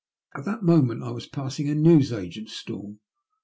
At that moment I was passing a newsagent's stall.